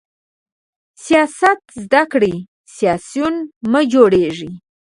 سیاست زده کړئ، سیاسیون مه جوړیږئ!